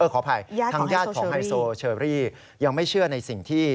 ขออภัยทางญาติของไฮโซเชอรี่ยังไม่เชื่อในสิ่งที่